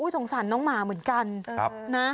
ธงสั่นน้องหมาเหมือนกัน